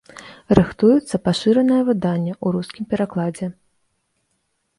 Рыхтуецца пашыранае выданне ў рускім перакладзе.